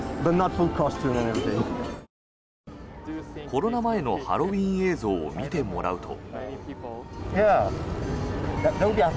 コロナ前のハロウィーン映像を見てもらうと。